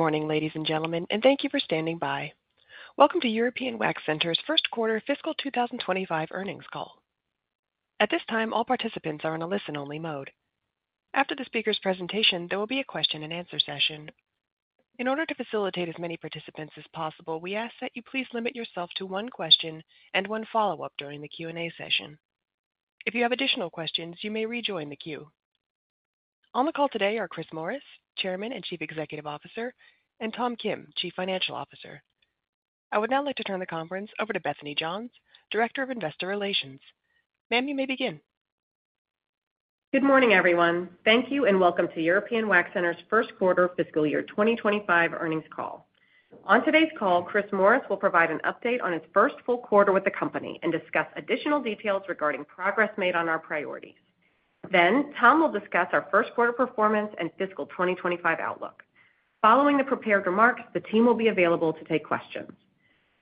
Good morning, ladies and gentlemen, and thank you for standing by. Welcome to European Wax Center's first quarter fiscal 2025 earnings call. At this time, all participants are in a listen-only mode. After the speaker's presentation, there will be a question-and-answer session. In order to facilitate as many participants as possible, we ask that you please limit yourself to one question and one follow-up during the Q&A session. If you have additional questions, you may rejoin the queue. On the call today are Chris Morris, Chairman and Chief Executive Officer, and Tom Kim, Chief Financial Officer. I would now like to turn the conference over to Bethany Johns, Director of Investor Relations. Ma'am, you may begin. Good morning, everyone. Thank you and welcome to European Wax Center's first quarter fiscal year 2025 earnings call. On today's call, Chris Morris will provide an update on his first full quarter with the company and discuss additional details regarding progress made on our priorities. Tom will discuss our first quarter performance and fiscal 2025 outlook. Following the prepared remarks, the team will be available to take questions.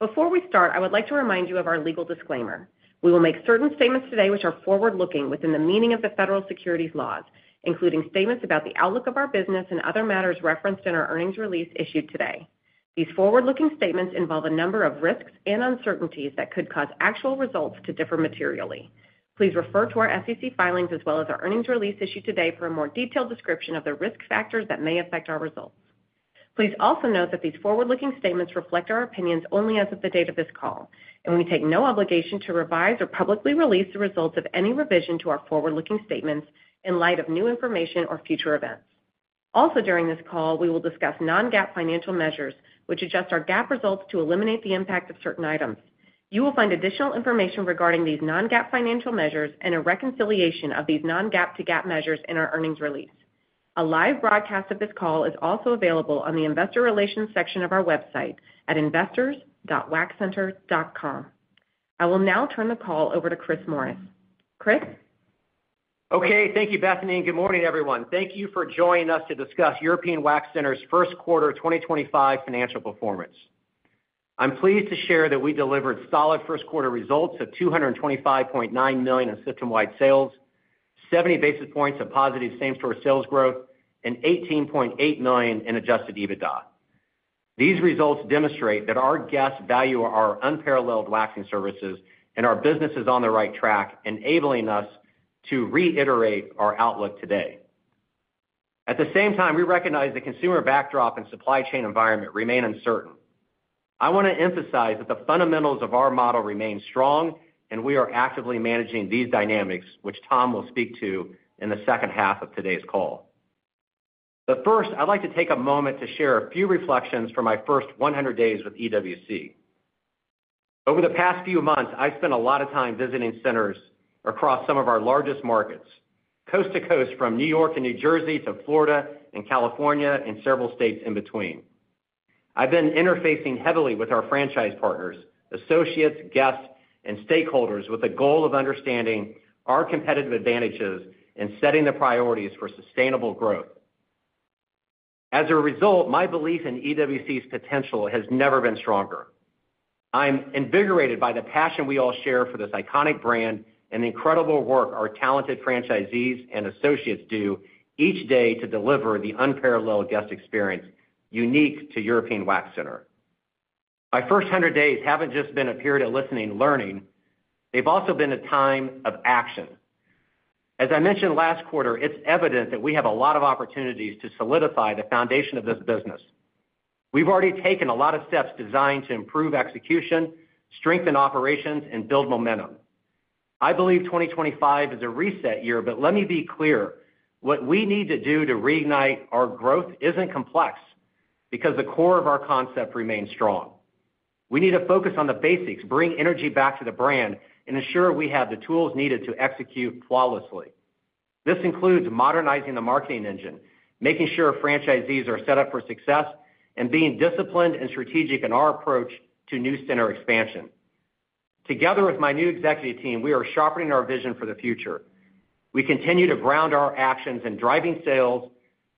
Before we start, I would like to remind you of our legal disclaimer. We will make certain statements today which are forward-looking within the meaning of the federal securities laws, including statements about the outlook of our business and other matters referenced in our earnings release issued today. These forward-looking statements involve a number of risks and uncertainties that could cause actual results to differ materially. Please refer to our SEC filings as well as our earnings release issued today for a more detailed description of the risk factors that may affect our results. Please also note that these forward-looking statements reflect our opinions only as of the date of this call, and we take no obligation to revise or publicly release the results of any revision to our forward-looking statements in light of new information or future events. Also, during this call, we will discuss non-GAAP financial measures which adjust our GAAP results to eliminate the impact of certain items. You will find additional information regarding these non-GAAP financial measures and a reconciliation of these non-GAAP to GAAP measures in our earnings release. A live broadcast of this call is also available on the Investor Relations section of our website at investors.waxcenter.com. I will now turn the call over to Chris Morris. Chris? Okay, thank you, Bethany. Good morning, everyone. Thank you for joining us to discuss European Wax Center's first quarter 2025 financial performance. I'm pleased to share that we delivered solid first quarter results of $225.9 million in system-wide sales, 70 basis points of positive same-store sales growth, and $18.8 million in adjusted EBITDA. These results demonstrate that our guests value our unparalleled waxing services and our business is on the right track, enabling us to reiterate our outlook today. At the same time, we recognize the consumer backdrop and supply chain environment remain uncertain. I want to emphasize that the fundamentals of our model remain strong, and we are actively managing these dynamics, which Tom will speak to in the second half of today's call. First, I'd like to take a moment to share a few reflections from my first 100 days with EWC. Over the past few months, I've spent a lot of time visiting centers across some of our largest markets, coast to coast from New York and New Jersey to Florida and California and several states in between. I've been interfacing heavily with our franchise partners, associates, guests, and stakeholders with the goal of understanding our competitive advantages and setting the priorities for sustainable growth. As a result, my belief in EWC's potential has never been stronger. I'm invigorated by the passion we all share for this iconic brand and the incredible work our talented franchisees and associates do each day to deliver the unparalleled guest experience unique to European Wax Center. My first 100 days haven't just been a period of listening and learning. They've also been a time of action. As I mentioned last quarter, it's evident that we have a lot of opportunities to solidify the foundation of this business. We've already taken a lot of steps designed to improve execution, strengthen operations, and build momentum. I believe 2025 is a reset year, but let me be clear: what we need to do to reignite our growth isn't complex because the core of our concept remains strong. We need to focus on the basics, bring energy back to the brand, and ensure we have the tools needed to execute flawlessly. This includes modernizing the marketing engine, making sure franchisees are set up for success, and being disciplined and strategic in our approach to new center expansion. Together with my new executive team, we are sharpening our vision for the future. We continue to ground our actions in driving sales,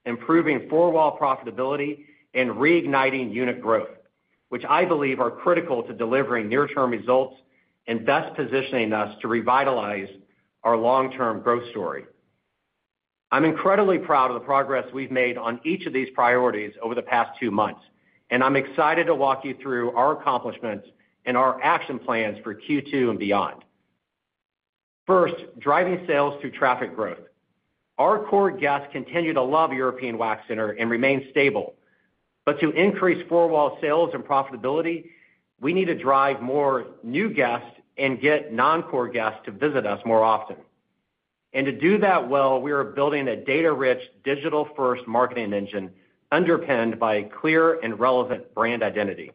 improving four-wall profitability, and reigniting unit growth, which I believe are critical to delivering near-term results and best positioning us to revitalize our long-term growth story. I'm incredibly proud of the progress we've made on each of these priorities over the past two months, and I'm excited to walk you through our accomplishments and our action plans for Q2 and beyond. First, driving sales through traffic growth. Our core guests continue to love European Wax Center and remain stable. To increase four-wall sales and profitability, we need to drive more new guests and get non-core guests to visit us more often. To do that well, we are building a data-rich, digital-first marketing engine underpinned by clear and relevant brand identity.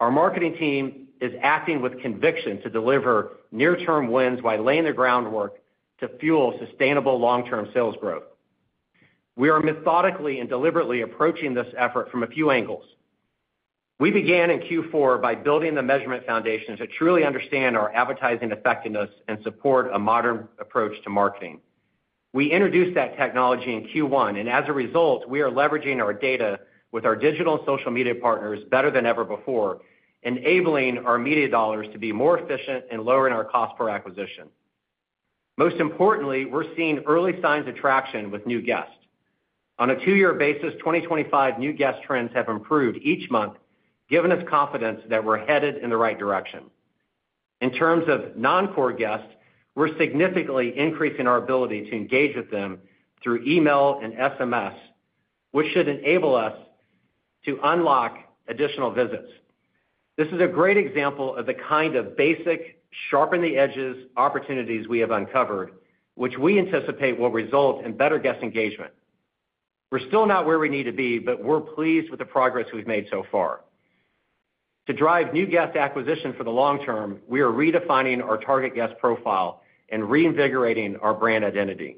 Our marketing team is acting with conviction to deliver near-term wins while laying the groundwork to fuel sustainable long-term sales growth. We are methodically and deliberately approaching this effort from a few angles. We began in Q4 by building the measurement foundation to truly understand our advertising effectiveness and support a modern approach to marketing. We introduced that technology in Q1, and as a result, we are leveraging our data with our digital and social media partners better than ever before, enabling our media dollars to be more efficient and lowering our cost per acquisition. Most importantly, we're seeing early signs of traction with new guests. On a two-year basis, 2025 new guest trends have improved each month, giving us confidence that we're headed in the right direction. In terms of non-core guests, we're significantly increasing our ability to engage with them through email and SMS, which should enable us to unlock additional visits. This is a great example of the kind of basic, sharpen-the-edges opportunities we have uncovered, which we anticipate will result in better guest engagement. We're still not where we need to be, but we're pleased with the progress we've made so far. To drive new guest acquisition for the long term, we are redefining our target guest profile and reinvigorating our brand identity.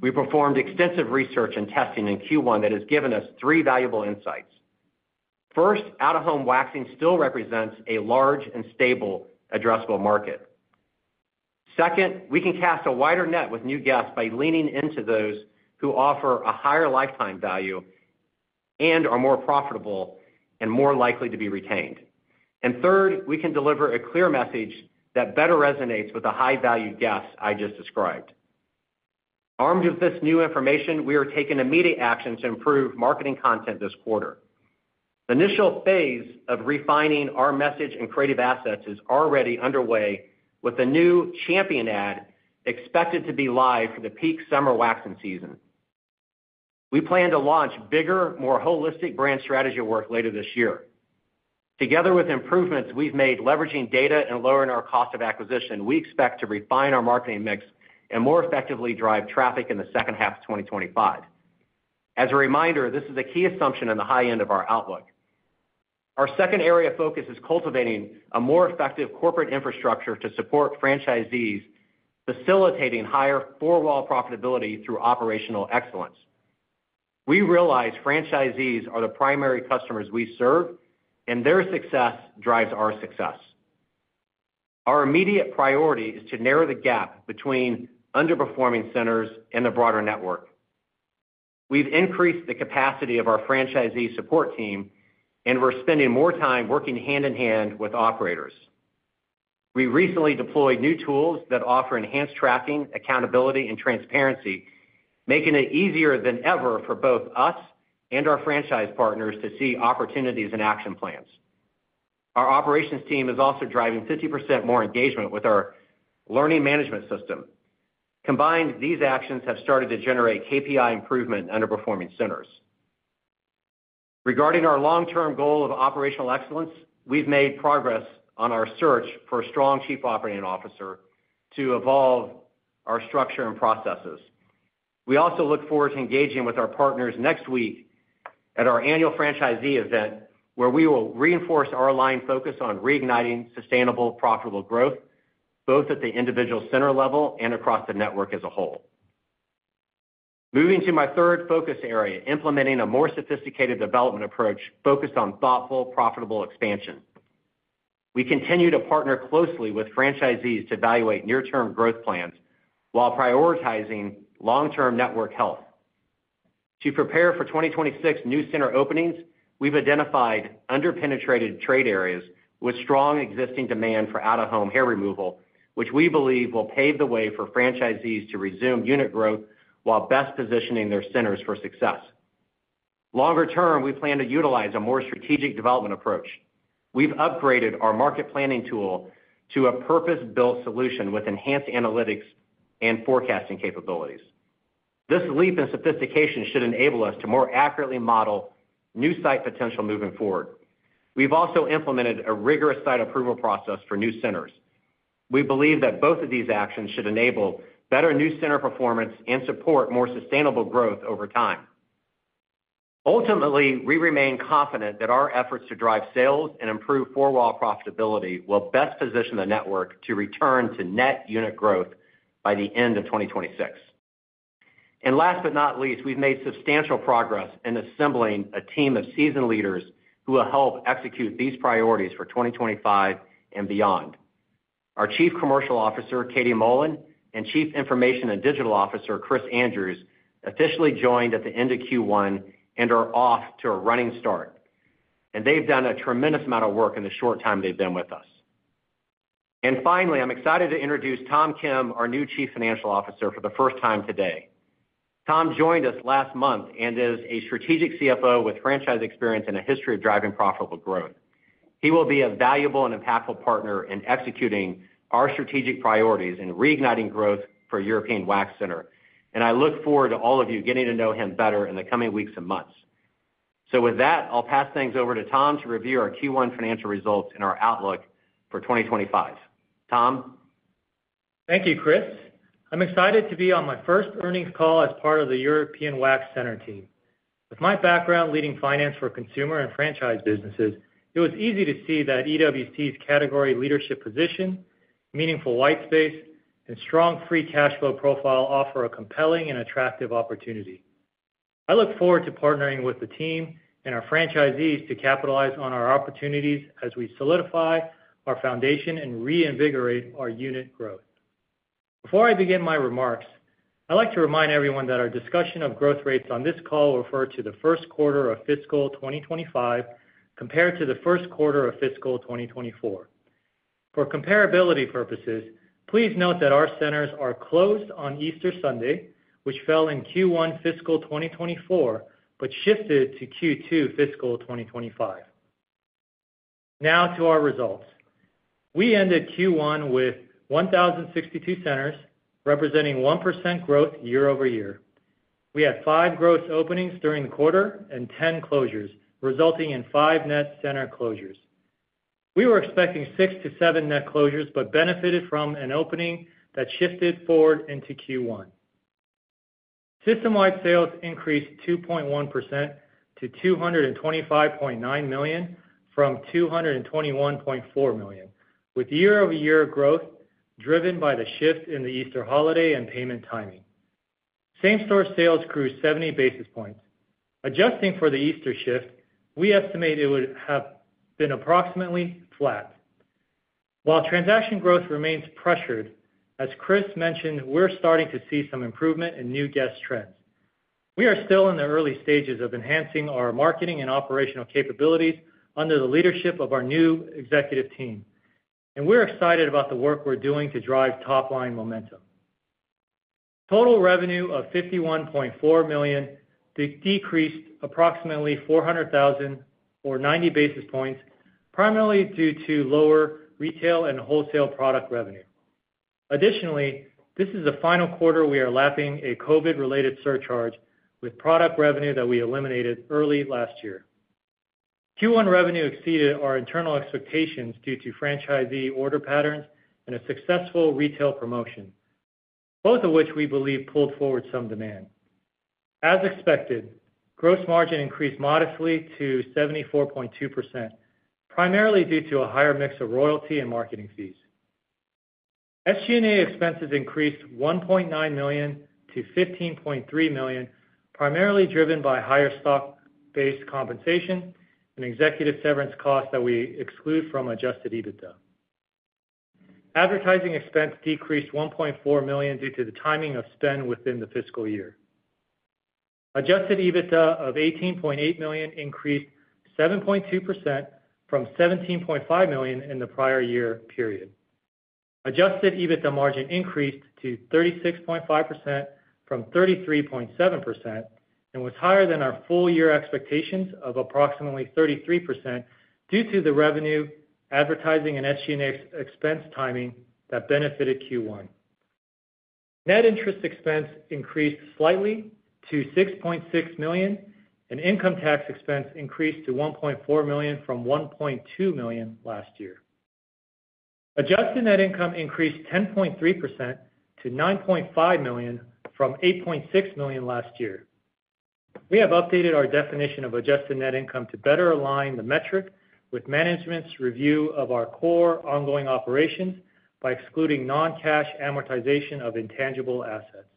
We performed extensive research and testing in Q1 that has given us three valuable insights. First, out-of-home waxing still represents a large and stable addressable market. Second, we can cast a wider net with new guests by leaning into those who offer a higher lifetime value and are more profitable and more likely to be retained. Third, we can deliver a clear message that better resonates with the high-value guests I just described. Armed with this new information, we are taking immediate action to improve marketing content this quarter. The initial phase of refining our message and creative assets is already underway, with a new champion ad expected to be live for the peak summer waxing season. We plan to launch bigger, more holistic brand strategy work later this year. Together with improvements we have made leveraging data and lowering our cost of acquisition, we expect to refine our marketing mix and more effectively drive traffic in the second half of 2025. As a reminder, this is a key assumption in the high end of our outlook. Our second area of focus is cultivating a more effective corporate infrastructure to support franchisees, facilitating higher four-wall profitability through operational excellence. We realize franchisees are the primary customers we serve, and their success drives our success. Our immediate priority is to narrow the gap between underperforming centers and the broader network. We've increased the capacity of our franchisee support team, and we're spending more time working hand in hand with operators. We recently deployed new tools that offer enhanced tracking, accountability, and transparency, making it easier than ever for both us and our franchise partners to see opportunities and action plans. Our operations team is also driving 50% more engagement with our learning management system. Combined, these actions have started to generate KPI improvement underperforming centers. Regarding our long-term goal of operational excellence, we've made progress on our search for a strong chief operating officer to evolve our structure and processes. We also look forward to engaging with our partners next week at our annual franchisee event, where we will reinforce our aligned focus on reigniting sustainable profitable growth, both at the individual center level and across the network as a whole. Moving to my third focus area, implementing a more sophisticated development approach focused on thoughtful, profitable expansion. We continue to partner closely with franchisees to evaluate near-term growth plans while prioritizing long-term network health. To prepare for 2026 new center openings, we've identified under-penetrated trade areas with strong existing demand for out-of-home hair removal, which we believe will pave the way for franchisees to resume unit growth while best positioning their centers for success. Longer term, we plan to utilize a more strategic development approach. We've upgraded our market planning tool to a purpose-built solution with enhanced analytics and forecasting capabilities. This leap in sophistication should enable us to more accurately model new site potential moving forward. We have also implemented a rigorous site approval process for new centers. We believe that both of these actions should enable better new center performance and support more sustainable growth over time. Ultimately, we remain confident that our efforts to drive sales and improve four-wall profitability will best position the network to return to net unit growth by the end of 2026. Last but not least, we have made substantial progress in assembling a team of seasoned leaders who will help execute these priorities for 2025 and beyond. Our Chief Commercial Officer, Katie Mullen, and Chief Information and Digital Officer, Chris Andrews, officially joined at the end of Q1 and are off to a running start. They have done a tremendous amount of work in the short time they have been with us. Finally, I'm excited to introduce Tom Kim, our new Chief Financial Officer, for the first time today. Tom joined us last month and is a strategic CFO with franchise experience and a history of driving profitable growth. He will be a valuable and impactful partner in executing our strategic priorities and reigniting growth for European Wax Center. I look forward to all of you getting to know him better in the coming weeks and months. With that, I'll pass things over to Tom to review our Q1 financial results and our outlook for 2025. Tom? Thank you, Chris. I'm excited to be on my first earnings call as part of the European Wax Center team. With my background leading finance for consumer and franchise businesses, it was easy to see that EWC's category leadership position, meaningful white space, and strong free cash flow profile offer a compelling and attractive opportunity. I look forward to partnering with the team and our franchisees to capitalize on our opportunities as we solidify our foundation and reinvigorate our unit growth. Before I begin my remarks, I'd like to remind everyone that our discussion of growth rates on this call will refer to the first quarter of fiscal 2025 compared to the first quarter of fiscal 2024. For comparability purposes, please note that our centers are closed on Easter Sunday, which fell in Q1 fiscal 2024 but shifted to Q2 fiscal 2025. Now to our results. We ended Q1 with 1,062 centers, representing 1% growth year over year. We had five gross openings during the quarter and 10 closures, resulting in five net center closures. We were expecting six to seven net closures but benefited from an opening that shifted forward into Q1. System-wide sales increased 2.1% to $225.9 million from $221.4 million, with year-over-year growth driven by the shift in the Easter holiday and payment timing. Same-store sales grew 70 basis points. Adjusting for the Easter shift, we estimate it would have been approximately flat. While transaction growth remains pressured, as Chris mentioned, we're starting to see some improvement in new guest trends. We are still in the early stages of enhancing our marketing and operational capabilities under the leadership of our new executive team. We are excited about the work we're doing to drive top-line momentum. Total revenue of $51.4 million decreased approximately $400,000 or 90 basis points, primarily due to lower retail and wholesale product revenue. Additionally, this is the final quarter we are lapping a COVID-related surcharge with product revenue that we eliminated early last year. Q1 revenue exceeded our internal expectations due to franchisee order patterns and a successful retail promotion, both of which we believe pulled forward some demand. As expected, gross margin increased modestly to 74.2%, primarily due to a higher mix of royalty and marketing fees. SG&A expenses increased $1.9 million to $15.3 million, primarily driven by higher stock-based compensation and executive severance costs that we exclude from adjusted EBITDA. Advertising expense decreased $1.4 million due to the timing of spend within the fiscal year. Adjusted EBITDA of $18.8 million increased 7.2% from $17.5 million in the prior year period. Adjusted EBITDA margin increased to 36.5% from 33.7% and was higher than our full-year expectations of approximately 33% due to the revenue, advertising, and SG&A expense timing that benefited Q1. Net interest expense increased slightly to $6.6 million, and income tax expense increased to $1.4 million from $1.2 million last year. Adjusted net income increased 10.3% to $9.5 million from $8.6 million last year. We have updated our definition of adjusted net income to better align the metric with management's review of our core ongoing operations by excluding non-cash amortization of intangible assets.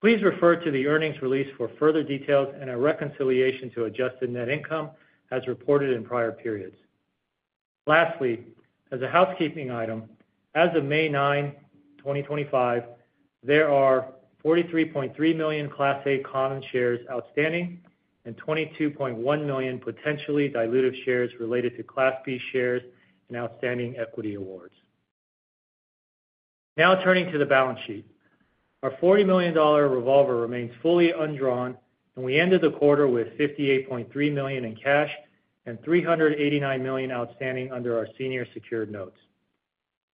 Please refer to the earnings release for further details and a reconciliation to adjusted net income as reported in prior periods. Lastly, as a housekeeping item, as of May 9, 2025, there are 43.3 million Class A common shares outstanding and 22.1 million potentially dilutive shares related to Class B shares and outstanding equity awards. Now turning to the balance sheet, our $40 million revolver remains fully undrawn, and we ended the quarter with $58.3 million in cash and $389 million outstanding under our senior secured notes.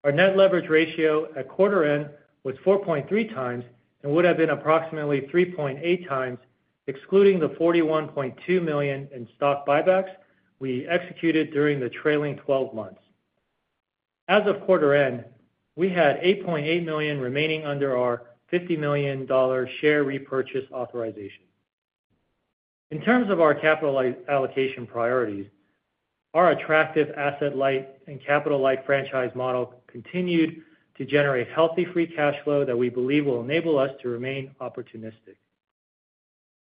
Our net leverage ratio at quarter-end was 4.3x and would have been approximately 3.8x, excluding the $41.2 million in stock buybacks we executed during the trailing 12 months. As of quarter-end, we had $8.8 million remaining under our $50 million share repurchase authorization. In terms of our capital allocation priorities, our attractive asset light and capital light franchise model continued to generate healthy free cash flow that we believe will enable us to remain opportunistic.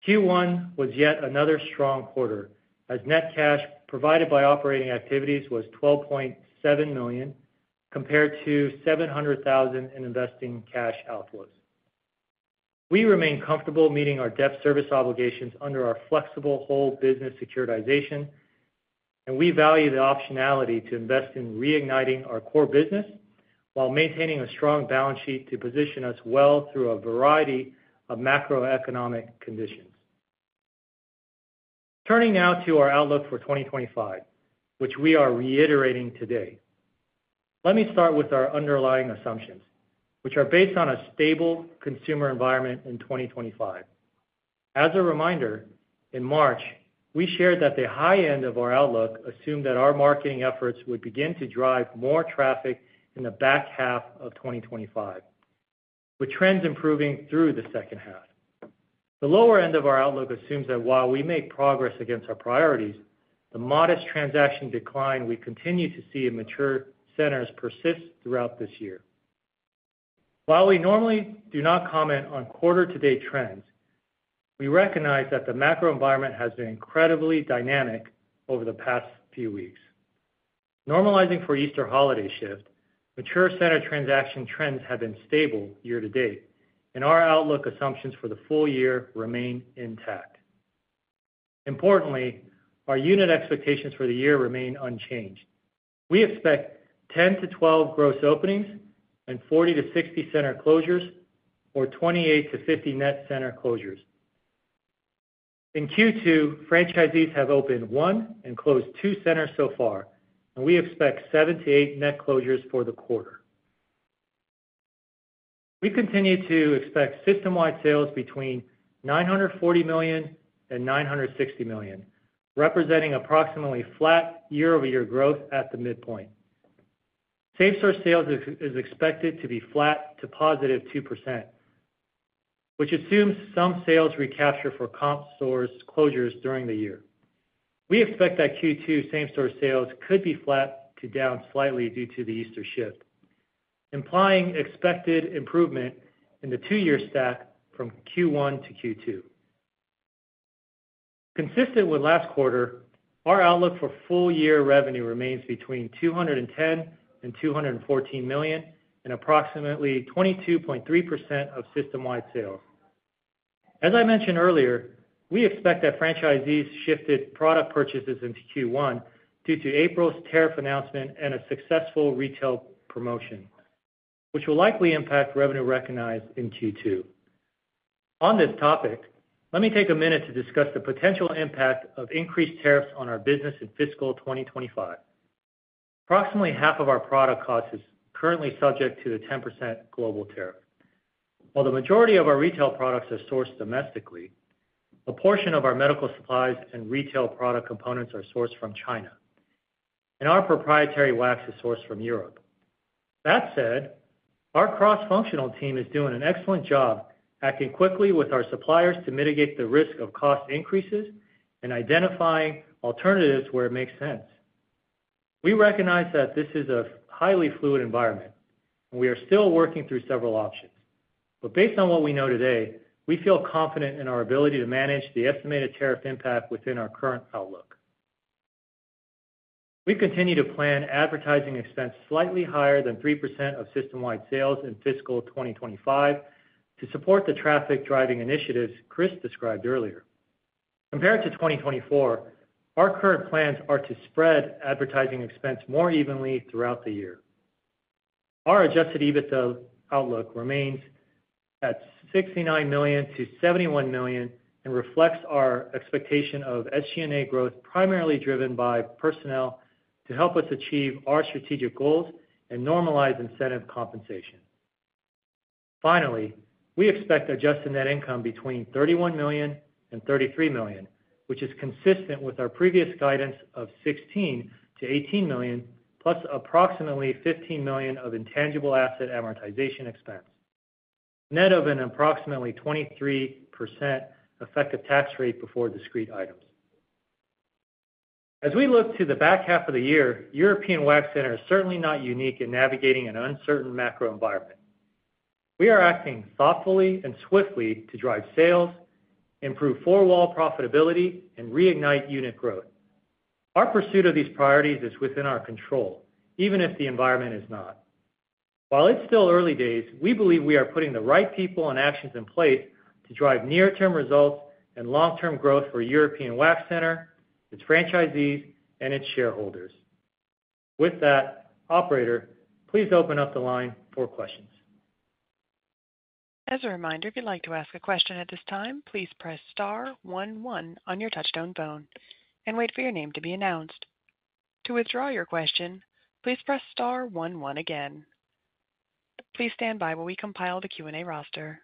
Q1 was yet another strong quarter, as net cash provided by operating activities was $12.7 million compared to $700,000 in investing cash outflows. We remain comfortable meeting our debt service obligations under our flexible whole business securitization, and we value the optionality to invest in reigniting our core business while maintaining a strong balance sheet to position us well through a variety of macroeconomic conditions. Turning now to our outlook for 2025, which we are reiterating today. Let me start with our underlying assumptions, which are based on a stable consumer environment in 2025. As a reminder, in March, we shared that the high end of our outlook assumed that our marketing efforts would begin to drive more traffic in the back half of 2025, with trends improving through the second half. The lower end of our outlook assumes that while we make progress against our priorities, the modest transaction decline we continue to see in mature centers persists throughout this year. While we normally do not comment on quarter-to-date trends, we recognize that the macro environment has been incredibly dynamic over the past few weeks. Normalizing for Easter holiday shift, mature center transaction trends have been stable year to date, and our outlook assumptions for the full year remain intact. Importantly, our unit expectations for the year remain unchanged. We expect 10-12 gross openings and 40-60 center closures or 28-50 net center closures. In Q2, franchisees have opened one and closed two centers so far, and we expect 7-8 net closures for the quarter. We continue to expect system-wide sales between $940 million-$960 million, representing approximately flat year-over-year growth at the midpoint. Same-store sales is expected to be flat to positive 2%, which assumes some sales recapture for comp-stores closures during the year. We expect that Q2 same-store sales could be flat to down slightly due to the Easter shift, implying expected improvement in the two-year stack from Q1 to Q2. Consistent with last quarter, our outlook for full-year revenue remains between $210 million and $214 million and approximately 22.3% of system-wide sales. As I mentioned earlier, we expect that franchisees shifted product purchases into Q1 due to April's tariff announcement and a successful retail promotion, which will likely impact revenue recognized in Q2. On this topic, let me take a minute to discuss the potential impact of increased tariffs on our business in fiscal 2025. Approximately half of our product cost is currently subject to the 10% global tariff. While the majority of our retail products are sourced domestically, a portion of our medical supplies and retail product components are sourced from China, and our proprietary wax is sourced from Europe. That said, our cross-functional team is doing an excellent job acting quickly with our suppliers to mitigate the risk of cost increases and identifying alternatives where it makes sense. We recognize that this is a highly fluid environment, and we are still working through several options. Based on what we know today, we feel confident in our ability to manage the estimated tariff impact within our current outlook. We continue to plan advertising expense slightly higher than 3% of system-wide sales in fiscal 2025 to support the traffic-driving initiatives Chris described earlier. Compared to 2024, our current plans are to spread advertising expense more evenly throughout the year. Our adjusted EBITDA outlook remains at $69 million-$71 million and reflects our expectation of SG&A growth primarily driven by personnel to help us achieve our strategic goals and normalize incentive compensation. Finally, we expect adjusted net income between $31 million and $33 million, which is consistent with our previous guidance of $16 million-$18 million plus approximately $15 million of intangible asset amortization expense, net of an approximately 23% effective tax rate before discrete items. As we look to the back half of the year, European Wax Center is certainly not unique in navigating an uncertain macro environment. We are acting thoughtfully and swiftly to drive sales, improve four-wall profitability, and reignite unit growth. Our pursuit of these priorities is within our control, even if the environment is not. While it's still early days, we believe we are putting the right people and actions in place to drive near-term results and long-term growth for European Wax Center, its franchisees, and its shareholders. With that, Operator, please open up the line for questions. As a reminder, if you'd like to ask a question at this time, please press star one one on your touchstone phone and wait for your name to be announced. To withdraw your question, please press star one one again. Please stand by while we compile the Q&A roster.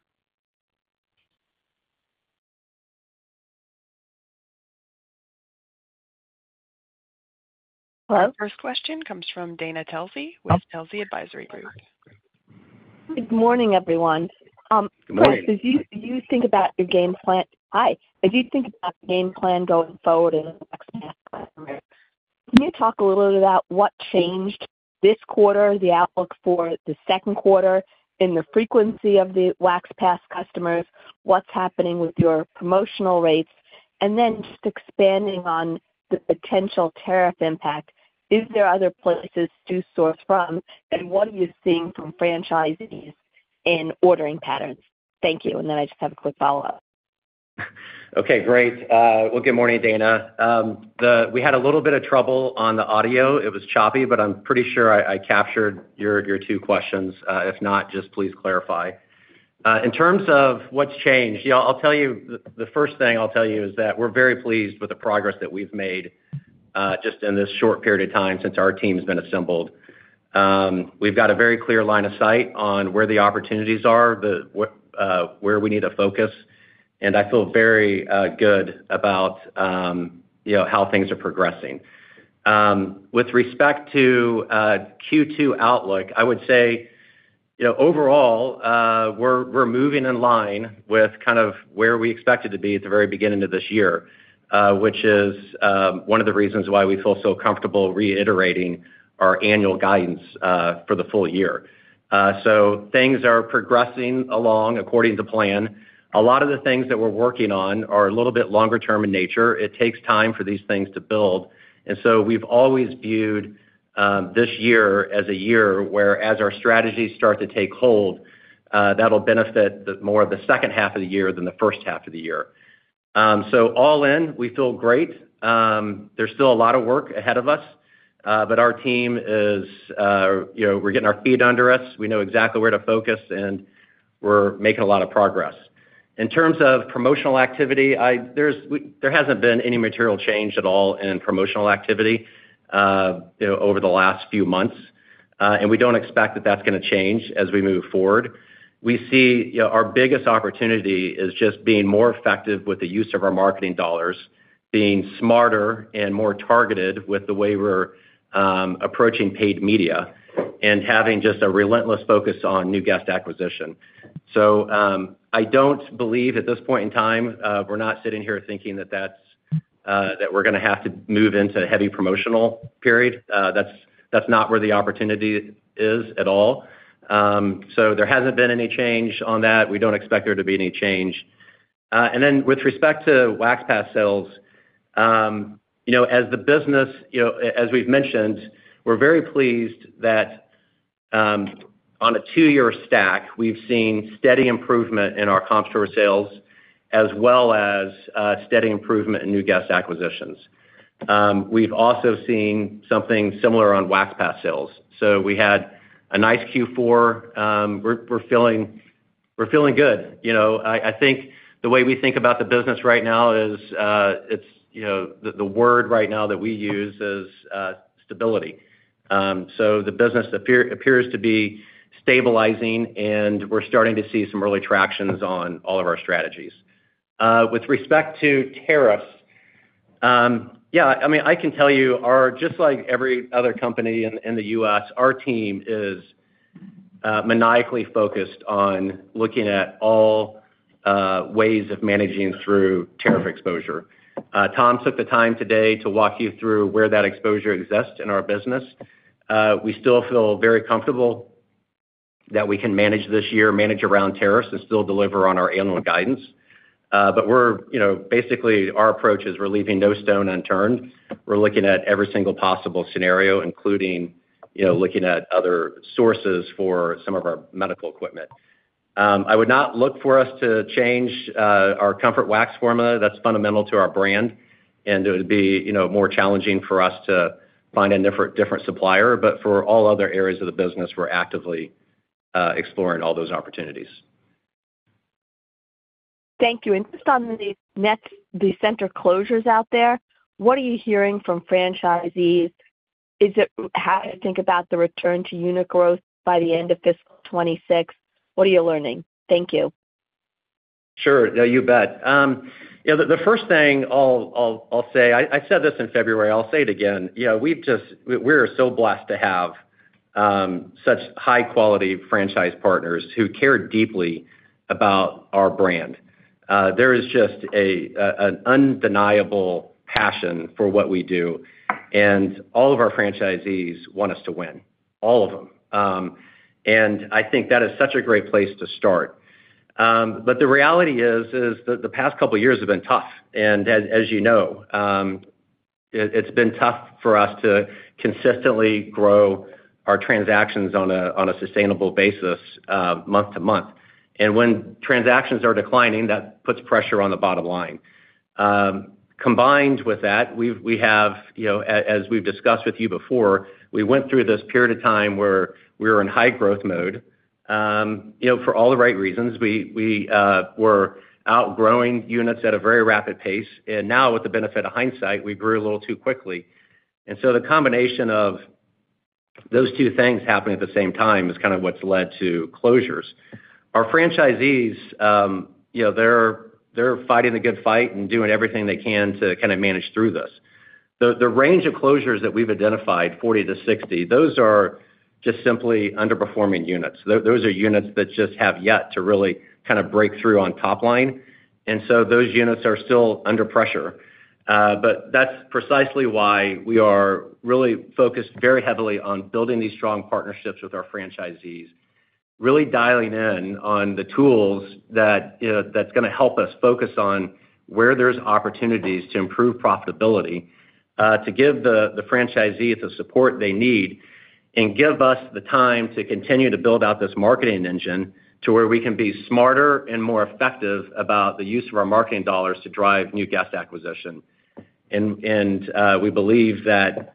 Hello. First question comes from Dana Telsey with Telsey Advisory Group. Good morning, everyone. Good morning. Chris, as you think about your game plan, hi, as you think about the game plan going forward in the next half, can you talk a little bit about what changed this quarter, the outlook for the second quarter, and the frequency of the Wax Pass customers, what's happening with your promotional rates, and then just expanding on the potential tariff impact? Is there other places to source from, and what are you seeing from franchisees in ordering patterns? Thank you. I just have a quick follow-up. Okay. Great. Good morning, Dana. We had a little bit of trouble on the audio. It was choppy, but I'm pretty sure I captured your two questions. If not, just please clarify. In terms of what's changed, the first thing I'll tell you is that we're very pleased with the progress that we've made just in this short period of time since our team's been assembled. We've got a very clear line of sight on where the opportunities are, where we need to focus, and I feel very good about how things are progressing. With respect to Q2 outlook, I would say overall, we're moving in line with kind of where we expected to be at the very beginning of this year, which is one of the reasons why we feel so comfortable reiterating our annual guidance for the full year. Things are progressing along according to plan. A lot of the things that we're working on are a little bit longer-term in nature. It takes time for these things to build. We've always viewed this year as a year where, as our strategies start to take hold, that'll benefit more of the second half of the year than the first half of the year. All in, we feel great. There's still a lot of work ahead of us, but our team is, we're getting our feet under us. We know exactly where to focus, and we're making a lot of progress. In terms of promotional activity, there hasn't been any material change at all in promotional activity over the last few months, and we don't expect that that's going to change as we move forward. We see our biggest opportunity is just being more effective with the use of our marketing dollars, being smarter and more targeted with the way we're approaching paid media and having just a relentless focus on new guest acquisition. I don't believe at this point in time we're not sitting here thinking that we're going to have to move into a heavy promotional period. That's not where the opportunity is at all. There hasn't been any change on that. We don't expect there to be any change. With respect to Wax Pass sales, as the business, as we've mentioned, we're very pleased that on a two-year stack, we've seen steady improvement in our comp-store sales as well as steady improvement in new guest acquisitions. We've also seen something similar on Wax Pass sales. We had a nice Q4. We're feeling good. I think the way we think about the business right now is the word right now that we use is stability. The business appears to be stabilizing, and we're starting to see some early tractions on all of our strategies. With respect to tariffs, yeah, I mean, I can tell you, just like every other company in the U.S., our team is maniacally focused on looking at all ways of managing through tariff exposure. Tom took the time today to walk you through where that exposure exists in our business. We still feel very comfortable that we can manage this year, manage around tariffs, and still deliver on our annual guidance. Basically, our approach is we're leaving no stone unturned. We're looking at every single possible scenario, including looking at other sources for some of our medical equipment. I would not look for us to change our Comfort Wax formula. That's fundamental to our brand, and it would be more challenging for us to find a different supplier. For all other areas of the business, we're actively exploring all those opportunities. Thank you. Just on the center closures out there, what are you hearing from franchisees? How do you think about the return to unit growth by the end of fiscal 2026? What are you learning? Thank you. Sure. No, you bet. The first thing I'll say, I said this in February. I'll say it again. We're so blessed to have such high-quality franchise partners who care deeply about our brand. There is just an undeniable passion for what we do, and all of our franchisees want us to win, all of them. I think that is such a great place to start. The reality is that the past couple of years have been tough. As you know, it's been tough for us to consistently grow our transactions on a sustainable basis month to month. When transactions are declining, that puts pressure on the bottom line. Combined with that, we have, as we've discussed with you before, we went through this period of time where we were in high growth mode for all the right reasons. We were outgrowing units at a very rapid pace. Now, with the benefit of hindsight, we grew a little too quickly. The combination of those two things happening at the same time is kind of what's led to closures. Our franchisees, they're fighting the good fight and doing everything they can to kind of manage through this. The range of closures that we've identified, 40-60, those are just simply underperforming units. Those are units that just have yet to really kind of break through on top line. Those units are still under pressure. That is precisely why we are really focused very heavily on building these strong partnerships with our franchisees, really dialing in on the tools that are going to help us focus on where there are opportunities to improve profitability, to give the franchisees the support they need, and give us the time to continue to build out this marketing engine to where we can be smarter and more effective about the use of our marketing dollars to drive new guest acquisition. We believe that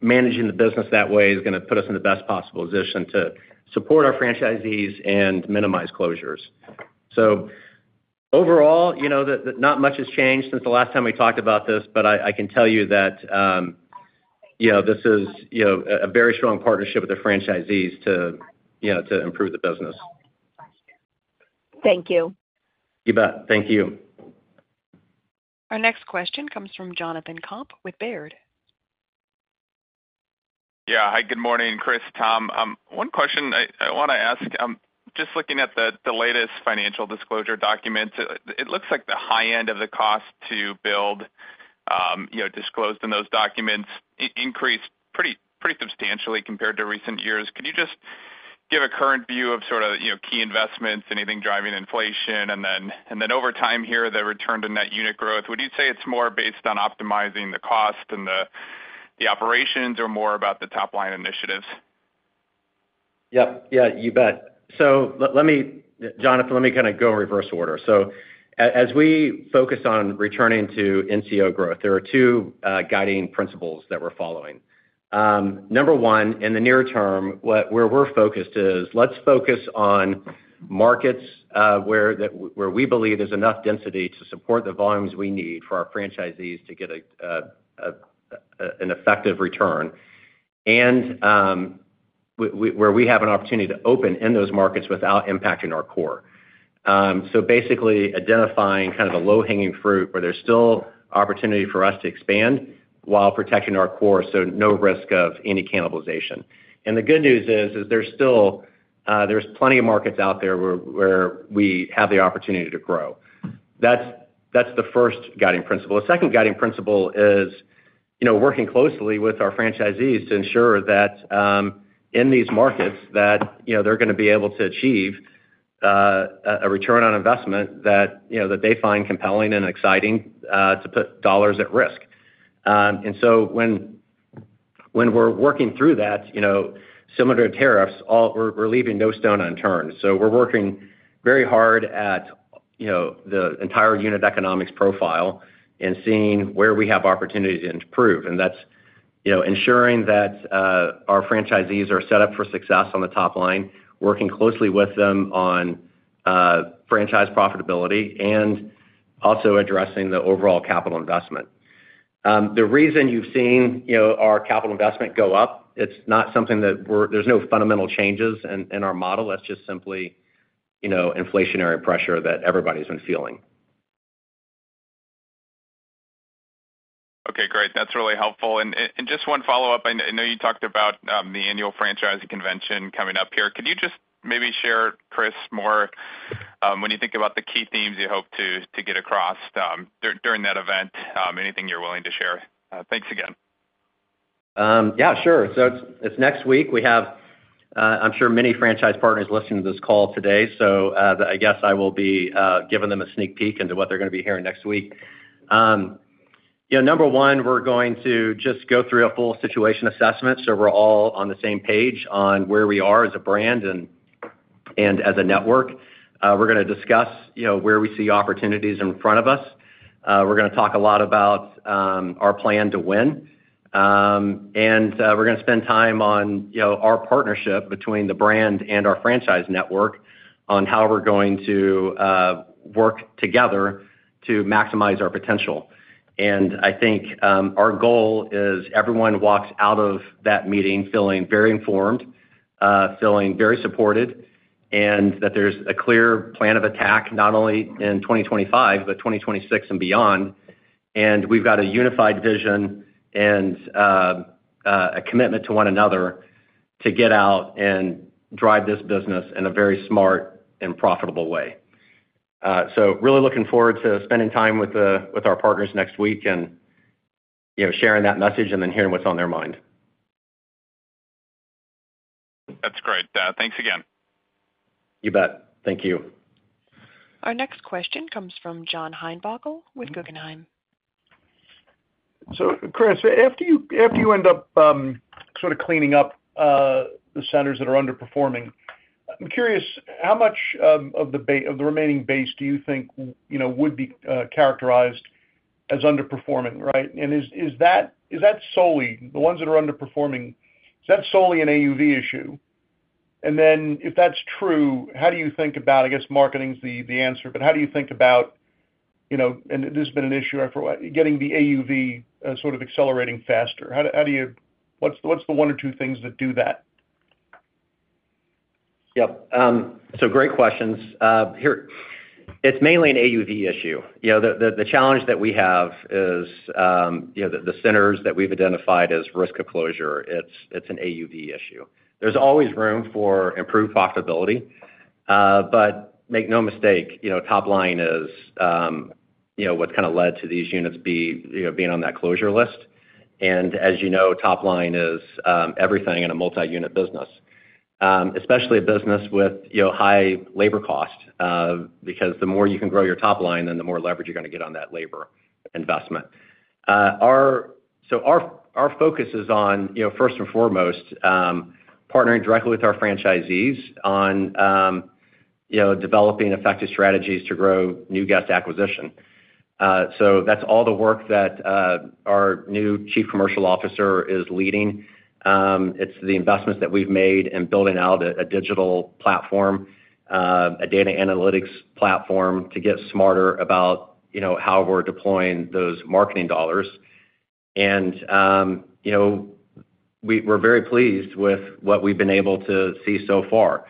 managing the business that way is going to put us in the best possible position to support our franchisees and minimize closures. Overall, not much has changed since the last time we talked about this, but I can tell you that this is a very strong partnership with the franchisees to improve the business. Thank you. You bet. Thank you. Our next question comes from Jonathan Komp with Baird. Yeah. Hi, good morning, Chris, Tom. One question I want to ask. Just looking at the latest financial disclosure documents, it looks like the high end of the cost to build disclosed in those documents increased pretty substantially compared to recent years. Can you just give a current view of sort of key investments, anything driving inflation, and then over time here, the return to net unit growth? Would you say it's more based on optimizing the cost and the operations or more about the top-line initiatives? Yep. Yeah, you bet. So Jonathan, let me kind of go in reverse order. As we focus on returning to NCO growth, there are two guiding principles that we're following. Number one, in the near term, where we're focused is let's focus on markets where we believe there's enough density to support the volumes we need for our franchisees to get an effective return and where we have an opportunity to open in those markets without impacting our core. Basically, identifying kind of the low-hanging fruit where there's still opportunity for us to expand while protecting our core, so no risk of any cannibalization. The good news is there's plenty of markets out there where we have the opportunity to grow. That's the first guiding principle. The second guiding principle is working closely with our franchisees to ensure that in these markets that they're going to be able to achieve a return on investment that they find compelling and exciting to put dollars at risk. When we're working through that, similar to tariffs, we're leaving no stone unturned. We're working very hard at the entire unit economics profile and seeing where we have opportunities to improve. That's ensuring that our franchisees are set up for success on the top line, working closely with them on franchise profitability, and also addressing the overall capital investment. The reason you've seen our capital investment go up, it's not something that there's no fundamental changes in our model. That's just simply inflationary pressure that everybody's been feeling. Okay. Great. That's really helpful. Just one follow-up. I know you talked about the annual franchisee convention coming up here. Could you just maybe share, Chris, more when you think about the key themes you hope to get across during that event, anything you're willing to share? Thanks again. Yeah, sure. It's next week. I'm sure many franchise partners are listening to this call today. I guess I will be giving them a sneak peek into what they're going to be hearing next week. Number one, we're going to just go through a full situation assessment so we're all on the same page on where we are as a brand and as a network. We're going to discuss where we see opportunities in front of us. We're going to talk a lot about our plan to win. We're going to spend time on our partnership between the brand and our franchise network on how we're going to work together to maximize our potential. I think our goal is everyone walks out of that meeting feeling very informed, feeling very supported, and that there's a clear plan of attack not only in 2025 but 2026 and beyond. We've got a unified vision and a commitment to one another to get out and drive this business in a very smart and profitable way. I am really looking forward to spending time with our partners next week and sharing that message and then hearing what's on their mind. That's great. Thanks again. You bet. Thank you. Our next question comes from John Heinbockel with Guggenheim. Chris, after you end up sort of cleaning up the centers that are underperforming, I'm curious how much of the remaining base do you think would be characterized as underperforming, right? Is that solely the ones that are underperforming, is that solely an AUV issue? If that's true, how do you think about, I guess marketing's the answer, but how do you think about—and this has been an issue for a while—getting the AUV sort of accelerating faster? What's the one or two things that do that? Yep. So great questions. It's mainly an AUV issue. The challenge that we have is the centers that we've identified as risk of closure, it's an AUV issue. There's always room for improved profitability. Make no mistake, top line is what's kind of led to these units being on that closure list. As you know, top line is everything in a multi-unit business, especially a business with high labor cost, because the more you can grow your top line, then the more leverage you're going to get on that labor investment. Our focus is on, first and foremost, partnering directly with our franchisees on developing effective strategies to grow new guest acquisition. That's all the work that our new Chief Commercial Officer is leading. It's the investments that we've made in building out a digital platform, a data analytics platform to get smarter about how we're deploying those marketing dollars. We're very pleased with what we've been able to see so far.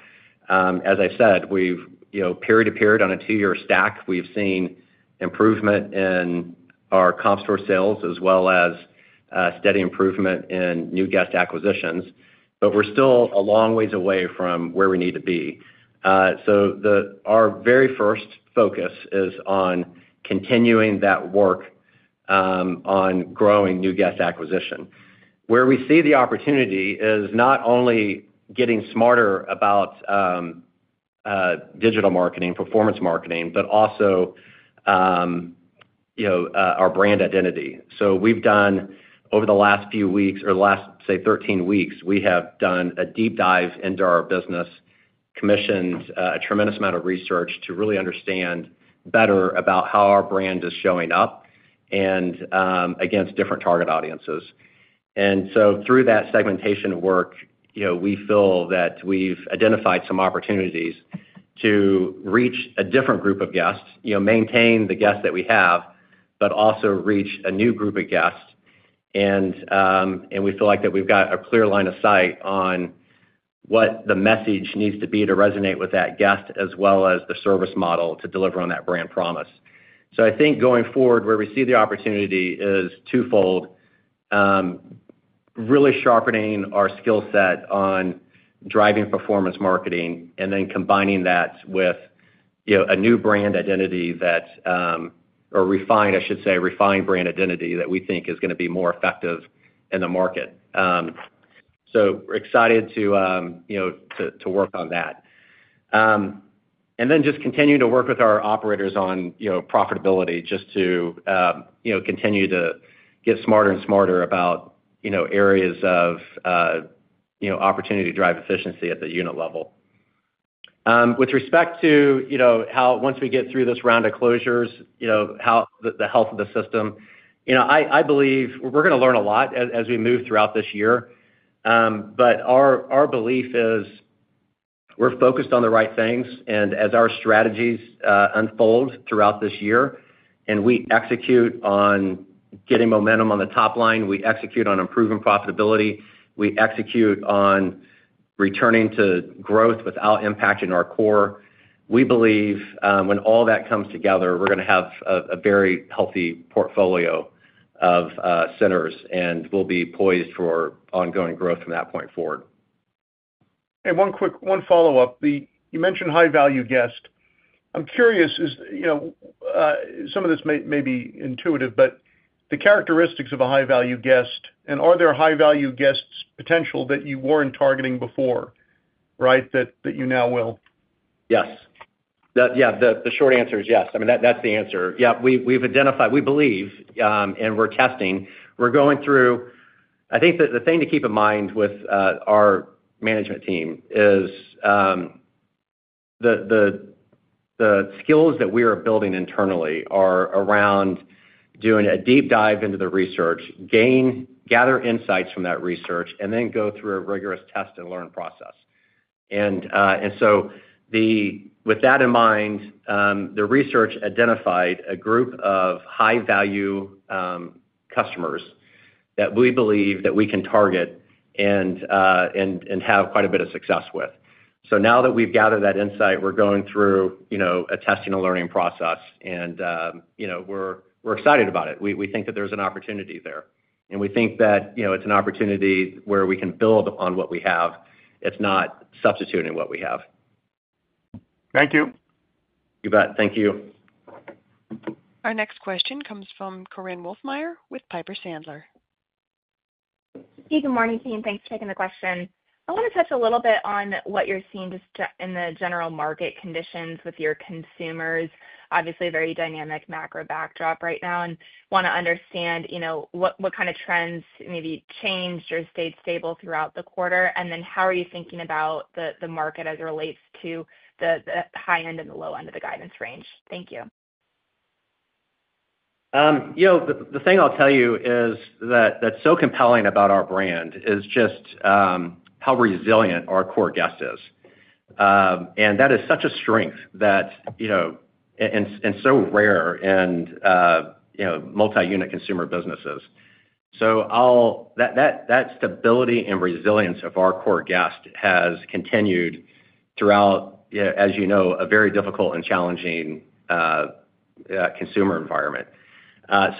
As I said, period to period on a two-year stack, we've seen improvement in our comp-store sales as well as steady improvement in new guest acquisitions. We're still a long ways away from where we need to be. Our very first focus is on continuing that work on growing new guest acquisition. Where we see the opportunity is not only getting smarter about digital marketing, performance marketing, but also our brand identity. We have done, over the last few weeks or last, say, 13 weeks, a deep dive into our business, commissioned a tremendous amount of research to really understand better about how our brand is showing up against different target audiences. Through that segmentation work, we feel that we have identified some opportunities to reach a different group of guests, maintain the guests that we have, but also reach a new group of guests. We feel like we have a clear line of sight on what the message needs to be to resonate with that guest as well as the service model to deliver on that brand promise. I think going forward, where we see the opportunity is twofold: really sharpening our skill set on driving performance marketing and then combining that with a new brand identity that, or refined, I should say, refined brand identity that we think is going to be more effective in the market. We are excited to work on that. Just continuing to work with our operators on profitability, just to continue to get smarter and smarter about areas of opportunity to drive efficiency at the unit level. With respect to how, once we get through this round of closures, the health of the system, I believe we are going to learn a lot as we move throughout this year. Our belief is we are focused on the right things. As our strategies unfold throughout this year and we execute on getting momentum on the top line, we execute on improving profitability, we execute on returning to growth without impacting our core, we believe when all that comes together, we are going to have a very healthy portfolio of centers and we will be poised for ongoing growth from that point forward. One follow-up. You mentioned high-value guest. I am curious, some of this may be intuitive, but the characteristics of a high-value guest, and are there high-value guests potential that you were not targeting before, right, that you now will? Yes. Yeah. The short answer is yes. I mean, that is the answer. Yeah. We have identified, we believe, and we are testing. We're going through—I think the thing to keep in mind with our management team is the skills that we are building internally are around doing a deep dive into the research, gather insights from that research, and then go through a rigorous test and learn process. With that in mind, the research identified a group of high-value customers that we believe that we can target and have quite a bit of success with. Now that we've gathered that insight, we're going through a testing and learning process, and we're excited about it. We think that there's an opportunity there. We think that it's an opportunity where we can build on what we have. It's not substituting what we have. Thank you. You bet. Thank you. Our next question comes from Korinne Wolfmeyer with Piper Sandler. Hey, good morning, team. Thanks for taking the question. I want to touch a little bit on what you're seeing just in the general market conditions with your consumers. Obviously, a very dynamic macro backdrop right now. I want to understand what kind of trends maybe changed or stayed stable throughout the quarter. How are you thinking about the market as it relates to the high end and the low end of the guidance range? Thank you. The thing I'll tell you is that's so compelling about our brand is just how resilient our core guest is. That is such a strength and so rare in multi-unit consumer businesses. That stability and resilience of our core guest has continued throughout, as you know, a very difficult and challenging consumer environment.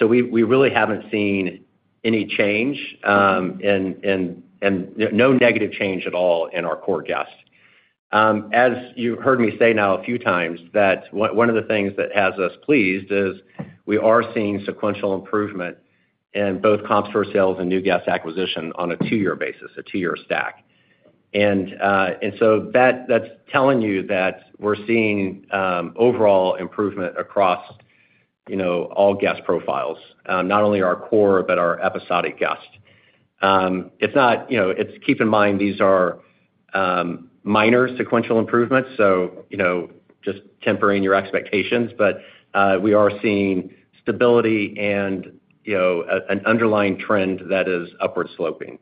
We really haven't seen any change and no negative change at all in our core guest. As you've heard me say now a few times, one of the things that has us pleased is we are seeing sequential improvement in both comp-store sales and new guest acquisition on a two-year basis, a two-year stack. That is telling you that we're seeing overall improvement across all guest profiles, not only our core but our episodic guest. Keep in mind these are minor sequential improvements, so just tempering your expectations. We are seeing stability and an underlying trend that is upward sloping.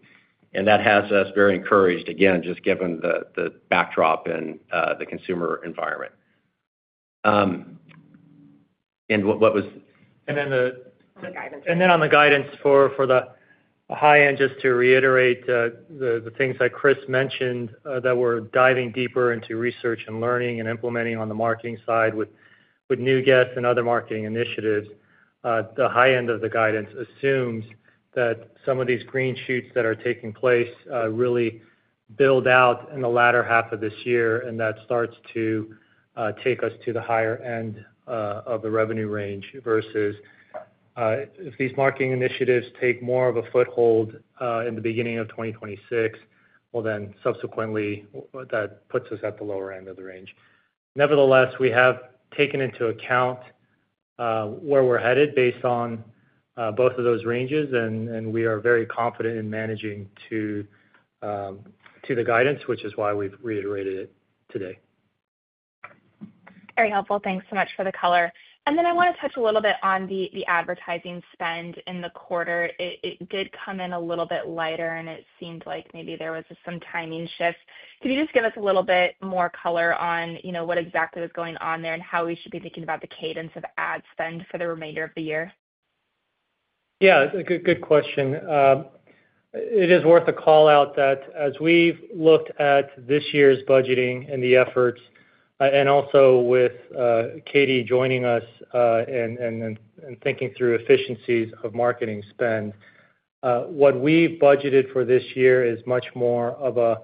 That has us very encouraged, again, just given the backdrop in the consumer environment. What was—And then on the guidance for the high end, just to reiterate the things that Chris mentioned that we're diving deeper into research and learning and implementing on the marketing side with new guests and other marketing initiatives, the high end of the guidance assumes that some of these green shoots that are taking place really build out in the latter half of this year, and that starts to take us to the higher end of the revenue range versus if these marketing initiatives take more of a foothold in the beginning of 2026, that puts us at the lower end of the range. Nevertheless, we have taken into account where we're headed based on both of those ranges, and we are very confident in managing to the guidance, which is why we've reiterated it today. Very helpful. Thanks so much for the color. I want to touch a little bit on the advertising spend in the quarter. It did come in a little bit lighter, and it seemed like maybe there was some timing shift. Could you just give us a little bit more color on what exactly was going on there and how we should be thinking about the cadence of ad spend for the remainder of the year? Yeah. It's a good question. It is worth a call out that as we've looked at this year's budgeting and the efforts, and also with Katie joining us and thinking through efficiencies of marketing spend, what we've budgeted for this year is much more of a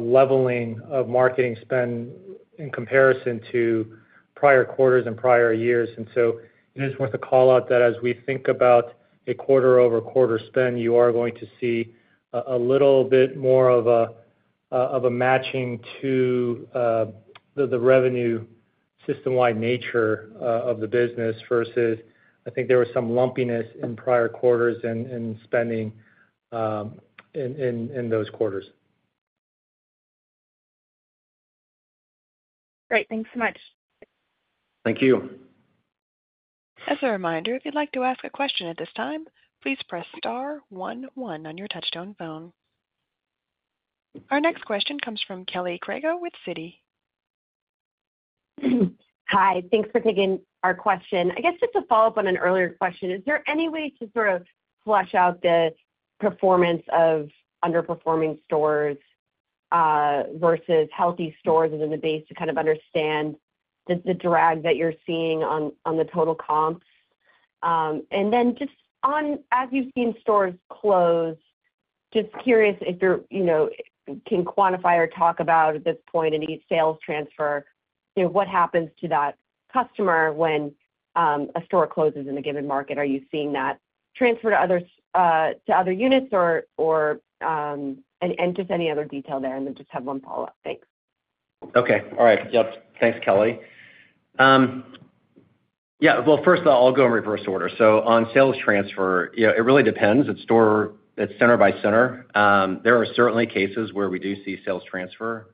leveling of marketing spend in comparison to prior quarters and prior years. It is worth a call out that as we think about a quarter-over-quarter spend, you are going to see a little bit more of a matching to the revenue system-wide nature of the business versus I think there was some lumpiness in prior quarters and spending in those quarters. Great. Thanks so much. Thank you. As a reminder, if you'd like to ask a question at this time, please press star 11 on your touchstone phone. Our next question comes from Kelly Crago with Citi. Hi. Thanks for taking our question. I guess just to follow up on an earlier question, is there any way to sort of flesh out the performance of underperforming stores versus healthy stores within the base to kind of understand the drag that you're seeing on the total comps? Just as you have seen stores close, just curious if you can quantify or talk about at this point in each sales transfer, what happens to that customer when a store closes in a given market? Are you seeing that transfer to other units or just any other detail there? I just have one follow-up. Thanks. Okay. All right. Yep. Thanks, Kelly. First of all, I will go in reverse order. On sales transfer, it really depends. It is center by center. There are certainly cases where we do see sales transfer.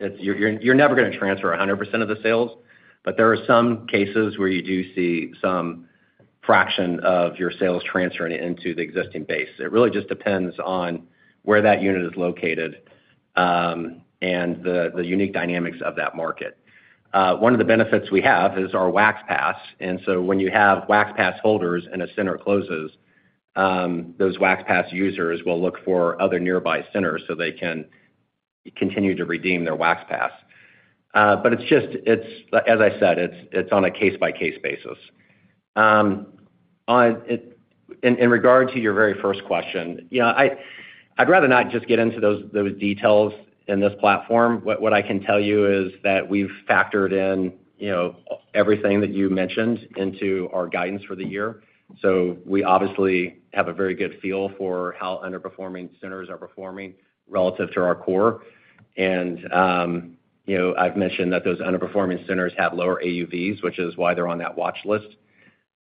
You are never going to transfer 100% of the sales, but there are some cases where you do see some fraction of your sales transferring into the existing base. It really just depends on where that unit is located and the unique dynamics of that market. One of the benefits we have is our Wax Pass. When you have Wax Pass holders and a center closes, those Wax Pass users will look for other nearby centers so they can continue to redeem their Wax Pass. It is just, as I said, on a case-by-case basis. In regard to your very first question, I would rather not get into those details in this platform. What I can tell you is that we have factored in everything that you mentioned into our guidance for the year. We obviously have a very good feel for how underperforming centers are performing relative to our core. I have mentioned that those underperforming centers have lower AUVs, which is why they are on that watch list.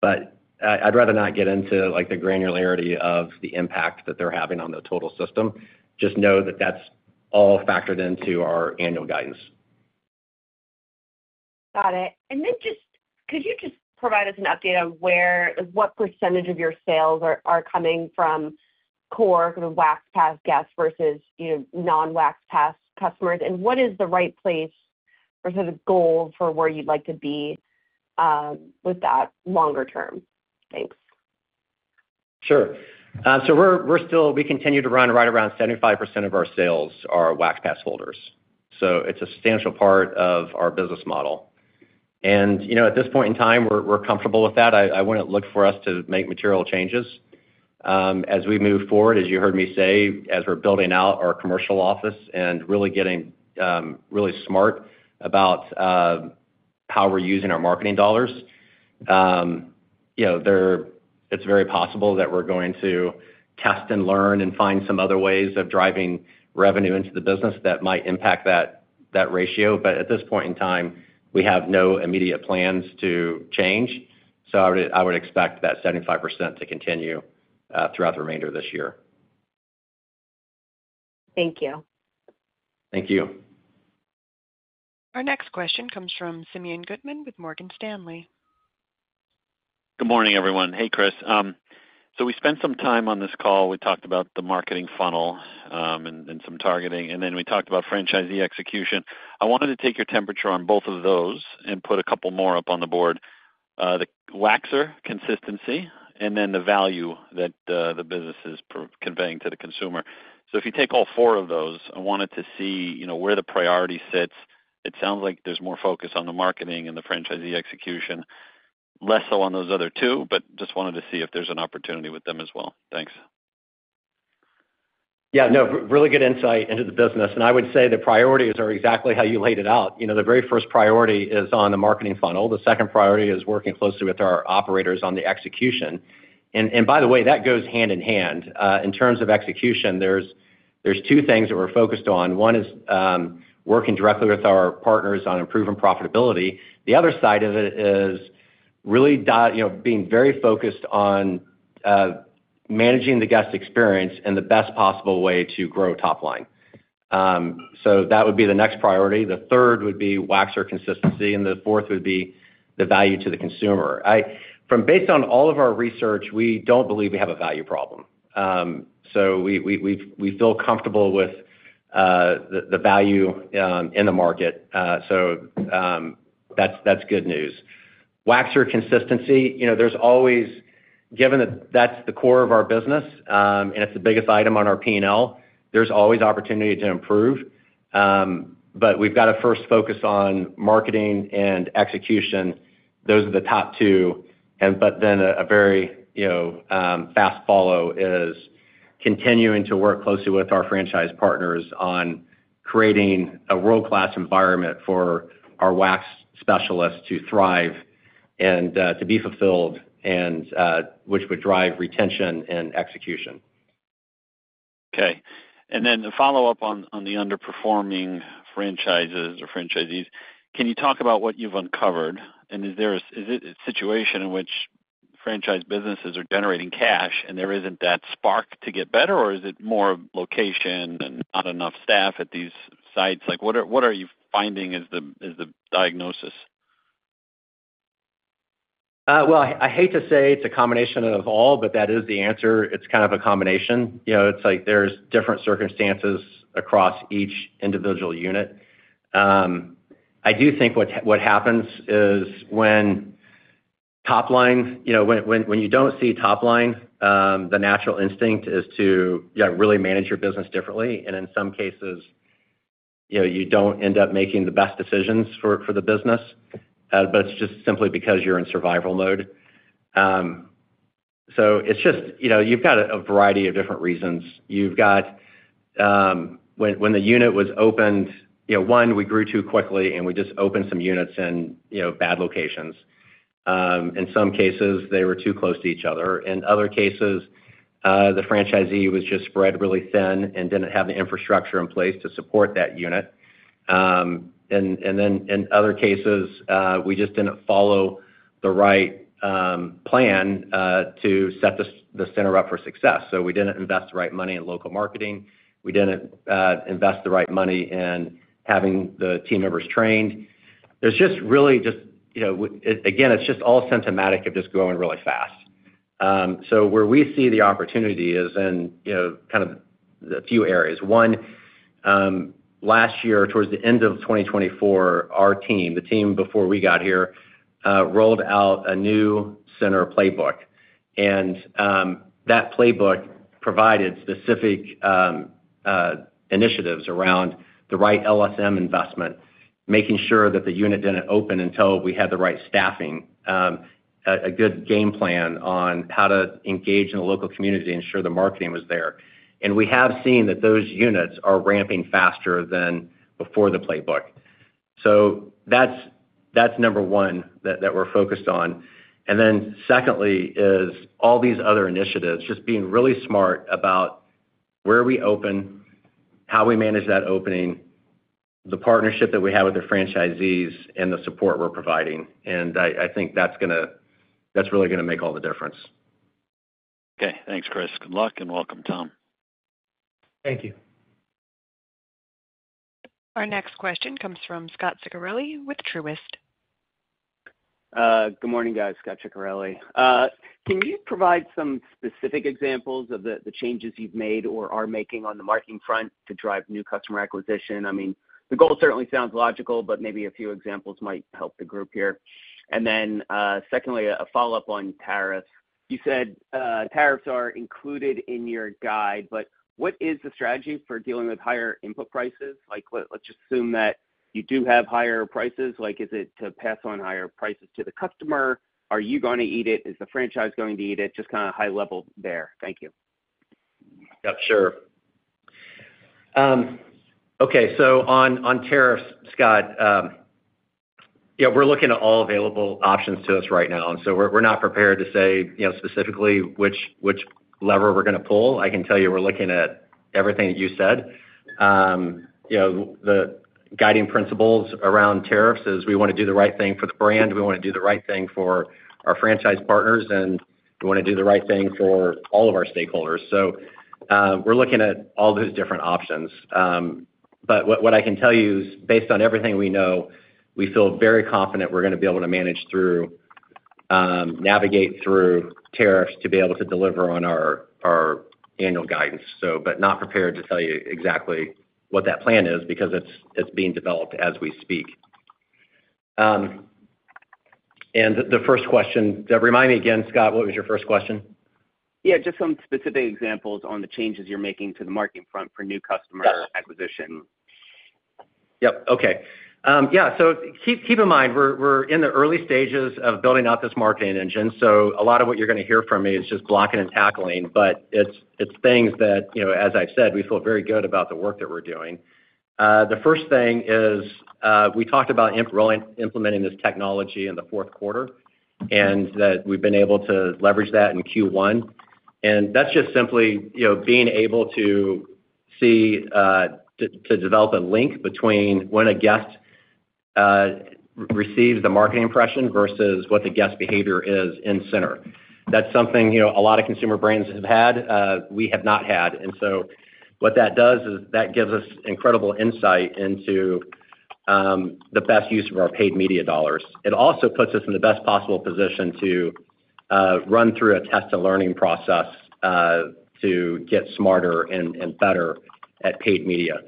I would rather not get into the granularity of the impact that they are having on the total system. Just know that is all factored into our annual guidance. Got it. Could you just provide us an update on what percentage of your sales are coming from core Wax Pass guests versus non-Wax Pass customers? What is the right place or sort of goal for where you'd like to be with that longer term? Thanks. Sure. We continue to run right around 75% of our sales are Wax Pass holders. It is a substantial part of our business model. At this point in time, we're comfortable with that. I would not look for us to make material changes. As we move forward, as you heard me say, as we're building out our commercial office and really getting really smart about how we're using our marketing dollars, it is very possible that we're going to test and learn and find some other ways of driving revenue into the business that might impact that ratio. At this point in time, we have no immediate plans to change. I would expect that 75% to continue throughout the remainder of this year. Thank you. Thank you. Our next question comes from Simeon Gutman with Morgan Stanley. Good morning, everyone. Hey, Chris. We spent some time on this call. We talked about the marketing funnel and some targeting. Then we talked about franchisee execution. I wanted to take your temperature on both of those and put a couple more up on the board: the waxer consistency and then the value that the business is conveying to the consumer. If you take all four of those, I wanted to see where the priority sits. It sounds like there's more focus on the marketing and the franchisee execution, less so on those other two, but just wanted to see if there's an opportunity with them as well. Thanks. Yeah. No, really good insight into the business. I would say the priorities are exactly how you laid it out. The very first priority is on the marketing funnel. The second priority is working closely with our operators on the execution. By the way, that goes hand in hand. In terms of execution, there are two things that we're focused on. One is working directly with our partners on improving profitability. The other side of it is really being very focused on managing the guest experience in the best possible way to grow top line. That would be the next priority. The third would be waxer consistency. The fourth would be the value to the consumer. Based on all of our research, we do not believe we have a value problem. We feel comfortable with the value in the market. That is good news. Waxer consistency, given that that is the core of our business and it is the biggest item on our P&L, there is always opportunity to improve. We have to first focus on marketing and execution. Those are the top two. A very fast follow is continuing to work closely with our franchise partners on creating a world-class environment for our wax specialists to thrive and to be fulfilled, which would drive retention and execution. Okay. A follow-up on the underperforming franchises or franchisees. Can you talk about what you have uncovered? Is it a situation in which franchise businesses are generating cash and there is not that spark to get better, or is it more location and not enough staff at these sites? What are you finding is the diagnosis? I hate to say it is a combination of all, but that is the answer. It is kind of a combination. It is like there are different circumstances across each individual unit. I do think what happens is when top line, when you do not see top line, the natural instinct is to really manage your business differently. In some cases, you do not end up making the best decisions for the business, but it is just simply because you are in survival mode. You have a variety of different reasons. When the unit was opened, one, we grew too quickly and we just opened some units in bad locations. In some cases, they were too close to each other. In other cases, the franchisee was just spread really thin and did not have the infrastructure in place to support that unit. In other cases, we just did not follow the right plan to set the center up for success. We did not invest the right money in local marketing. We did not invest the right money in having the team members trained. It is just really just, again, it is just all symptomatic of just growing really fast. Where we see the opportunity is in kind of a few areas. One, last year, towards the end of 2024, our team, the team before we got here, rolled out a new center playbook. That playbook provided specific initiatives around the right LSM investment, making sure that the unit did not open until we had the right staffing, a good game plan on how to engage in the local community to ensure the marketing was there. We have seen that those units are ramping faster than before the playbook. That is number one that we are focused on. Secondly, all these other initiatives, just being really smart about where we open, how we manage that opening, the partnership that we have with the franchisees, and the support we are providing. I think that is really going to make all the difference. Okay. Thanks, Chris. Good luck and welcome, Tom. Thank you. Our next question comes from Scot Ciccarelli with Truist. Good morning, guys. Scot Ciccarelli. Can you provide some specific examples of the changes you've made or are making on the marketing front to drive new customer acquisition? I mean, the goal certainly sounds logical, but maybe a few examples might help the group here. Secondly, a follow-up on tariffs. You said tariffs are included in your guide, but what is the strategy for dealing with higher input prices? Let's just assume that you do have higher prices. Is it to pass on higher prices to the customer? Are you going to eat it? Is the franchise going to eat it? Just kind of high level there. Thank you. Yep. Sure. Okay. On tariffs, Scot, we're looking at all available options to us right now. We're not prepared to say specifically which lever we're going to pull. I can tell you we're looking at everything that you said. The guiding principles around tariffs is we want to do the right thing for the brand. We want to do the right thing for our franchise partners, and we want to do the right thing for all of our stakeholders. We are looking at all those different options. What I can tell you is based on everything we know, we feel very confident we are going to be able to navigate through tariffs to be able to deliver on our annual guidance. Not prepared to tell you exactly what that plan is because it is being developed as we speak. The first question, remind me again, Scot, what was your first question? Yeah. Just some specific examples on the changes you are making to the marketing front for new customer acquisition. Yep. Okay. Keep in mind, we are in the early stages of building out this marketing engine. A lot of what you're going to hear from me is just blocking and tackling, but it's things that, as I've said, we feel very good about the work that we're doing. The first thing is we talked about implementing this technology in the fourth quarter and that we've been able to leverage that in Q1. That's just simply being able to develop a link between when a guest receives the marketing impression versus what the guest behavior is in center. That's something a lot of consumer brands have had. We have not had. What that does is that gives us incredible insight into the best use of our paid media dollars. It also puts us in the best possible position to run through a test and learning process to get smarter and better at paid media.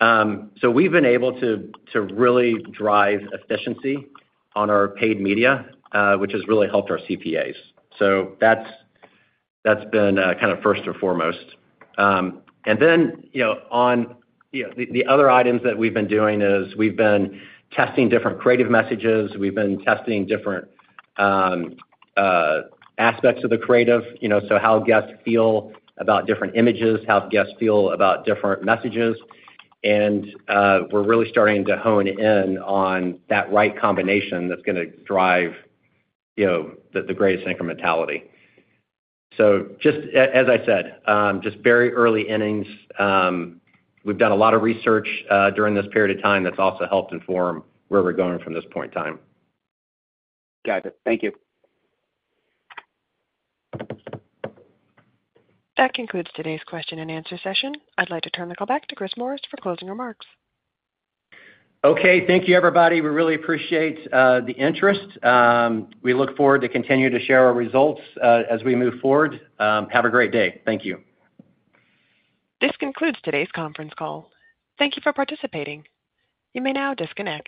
We have been able to really drive efficiency on our paid media, which has really helped our CPAs. That has been kind of first and foremost. On the other items that we have been doing, we have been testing different creative messages. We have been testing different aspects of the creative, how guests feel about different images, how guests feel about different messages. We are really starting to hone in on that right combination that is going to drive the greatest incrementality. Just as I said, just very early innings. We have done a lot of research during this period of time that has also helped inform where we are going from this point in time. Got it. Thank you. That concludes today's question and answer session. I would like to turn the call back to Chris Morris for closing remarks. Okay. Thank you, everybody. We really appreciate the interest. We look forward to continuing to share our results as we move forward. Have a great day. Thank you. This concludes today's conference call. Thank you for participating. You may now disconnect.